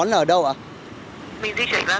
mình di chuyển ra công viên cầu giấy